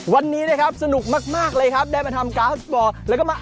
วันนี้เนี้ยครับสนุกมากมากเลยครับได้มาทำการแล้วก็มาอาบงาน